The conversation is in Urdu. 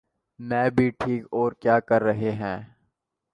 میں بھی ٹھیک۔ اور کیا کر رہے ہیں؟